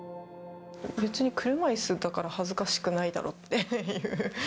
別に車いすだから恥ずかしくないだろっていう。